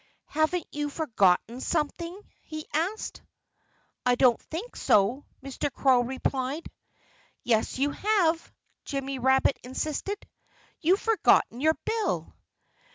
"Haven't you forgotten something?" he asked. "I don't think so," Mr. Crow replied. "Yes, you have!" Jimmy Rabbit insisted. "You've forgotten your bill!"